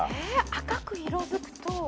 赤く色づくと。